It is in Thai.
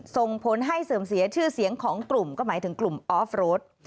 ส่งผลให้เสื่อมเสียชื่อเสียงของกลุ่มก็หมายถึงกลุ่มออฟโรด